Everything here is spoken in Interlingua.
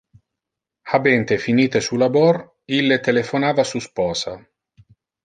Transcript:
Habente finite su labor, ille telephonava su sposa.